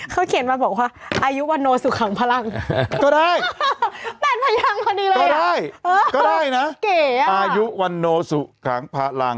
เขาเขียนมาอายุวัณนโนสุคังพลัง